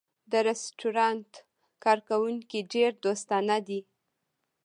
د رستورانت کارکوونکی ډېر دوستانه دی.